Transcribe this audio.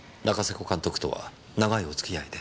古監督とは長いお付き合いで？